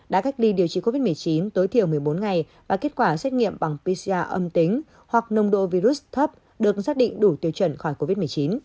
đã cách ly điều trị covid một mươi chín tối thiểu một mươi bốn ngày và kết quả xét nghiệm bằng pcr âm tính hoặc nồng độ virus thấp được xác định đủ tiêu chuẩn khỏi covid một mươi chín